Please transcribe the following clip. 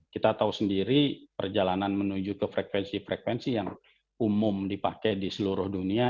kita tahu sendiri perjalanan menuju ke frekuensi frekuensi yang umum dipakai di seluruh dunia